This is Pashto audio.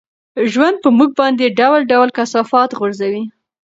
ژوند په موږ باندې ډول ډول کثافات غورځوي.